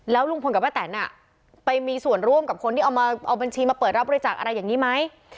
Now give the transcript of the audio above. ลุงพลกับป้าแตนไปมีส่วนร่วมกับคนที่เอามาเอาบัญชีมาเปิดรับบริจาคอะไรอย่างนี้ไหม